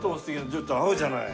ちょっと合うじゃない。